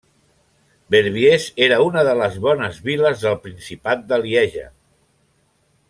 Verviers era una de les Bones Viles del Principat de Lieja.